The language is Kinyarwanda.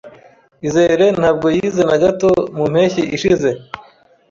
Izere ntabwo yize na gato mu mpeshyi ishize.